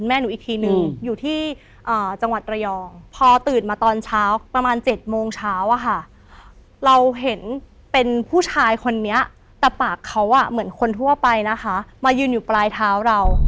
หนูอีกทีนึงอยู่ที่จังหวัดระยองพอตื่นมาตอนเช้าประมาณ๗โมงเช้าอะค่ะเราเห็นเป็นผู้ชายคนนี้แต่ปากเขาเหมือนคนทั่วไปนะคะมายืนอยู่ปลายเท้าเรา